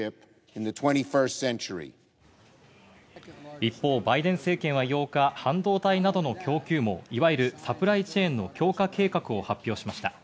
一方、バイデン政権は８日、半導体などの供給網、いわゆるサプライチェーンの強化計画を発表しました。